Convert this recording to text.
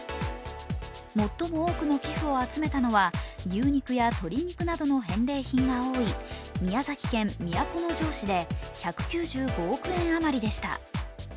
最も多くの寄付を集めたのは牛肉や鶏肉などの返礼品が多い宮崎県都城市で、１９５億円余りでした。